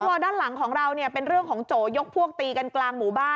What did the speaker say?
ด้านหลังของเราเนี่ยเป็นเรื่องของโจยกพวกตีกันกลางหมู่บ้าน